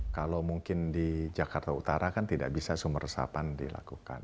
kalau mungkin di jakarta utara kan tidak bisa sumber resapan dilakukan